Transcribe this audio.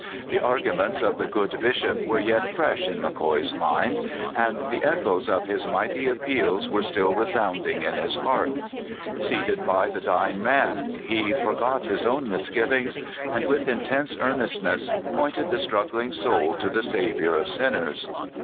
The arguments of the good Bishop were yet fresh in McCoy's mind, and the echoes of his mighty appeals were still sounding in his heart. Seated by the dying man, he forgot his own misgivings, and with intense earnestness pointed the struggling soul to the Sav iour of sinners.